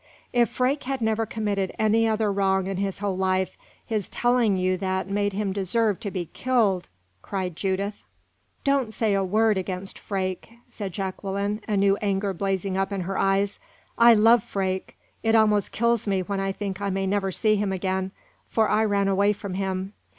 "If Freke had never committed any other wrong in his whole life, his telling you that made him deserve to be killed!" cried Judith. "Don't say a word against Freke," said Jacqueline, a new anger blazing up in her eyes. "I love Freke; it almost kills me when I think I may never see him again, for I ran away from him.